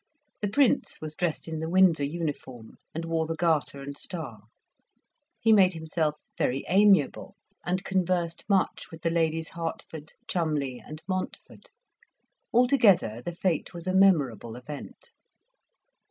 The Prince was dressed in the Windsor uniform, and wore the garter and star. He made himself very amiable, and conversed much with the Ladies Hertford, Cholmondeley, and Montford. Altogether, the fete was a memorable event.